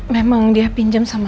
memang dia pinjam sama